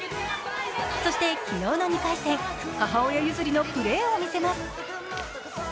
そして昨日の２回戦、母親譲りのプレーを見せます。